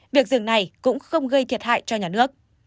việc dừng này cũng không gây thiệt hại cho nhà nước